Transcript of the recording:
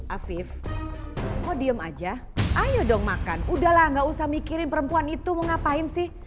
afif mau diem aja ayo dong makan udahlah gak usah mikirin perempuan itu mau ngapain sih